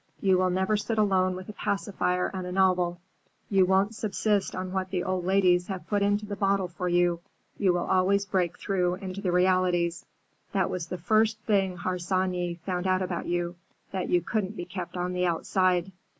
You will never sit alone with a pacifier and a novel. You won't subsist on what the old ladies have put into the bottle for you. You will always break through into the realities. That was the first thing Harsanyi found out about you; that you couldn't be kept on the outside.